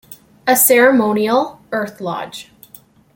A ceremonial earth lodge.